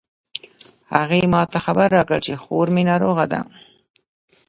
هغې ما ته خبر راکړ چې خور می ناروغه ده